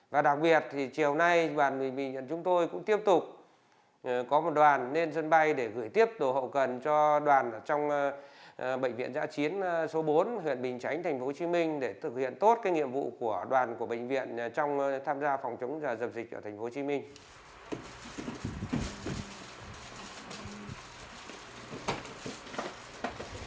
và đặc biệt thì chiều nay đoàn bệnh viện chúng tôi cũng tiếp tục có một đoàn lên dân bay để gửi tiếp đồ hậu cần cho đoàn ở trong bệnh viện giã chiến số bốn huyện bình chánh tp hcm để thực hiện tốt cái nhiệm vụ của đoàn của bệnh viện trong tham gia phòng chống và dập dịch covid một mươi chín